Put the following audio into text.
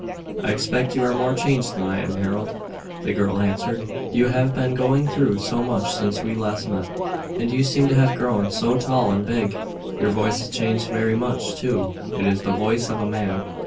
"I expect you are more changed than I am, Harold," the girl answered. "You have been going through so much since we last met, and you seem to have grown so tall and big. Your voice has changed very much, too; it is the voice of a man.